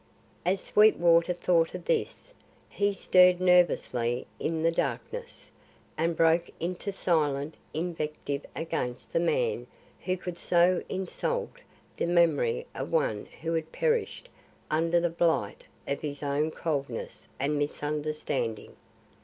As Sweetwater thought of this, he stirred nervously in the darkness, and broke into silent invective against the man who could so insult the memory of one who had perished under the blight of his own coldness and misunderstanding.